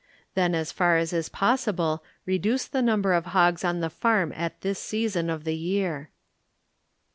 Then as far as is pos sible reduce the number of hoga on the farm at this season of the year.